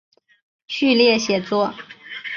序列写作。